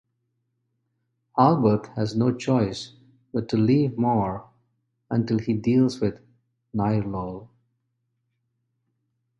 Arlbeth has no choice but to leave Maur until he deals with Nyrlol.